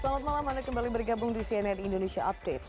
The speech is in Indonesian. selamat malam anda kembali bergabung di cnn indonesia update